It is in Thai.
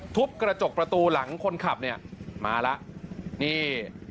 ทุบกระจกประตูหลังคนขับเนี่ยมาแล้วนี่